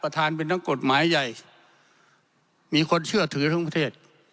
เป็นทั้งกฎหมายใหญ่มีคนเชื่อถือทั้งประเทศ